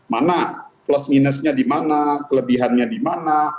mana plus minusnya di mana kelebihannya di mana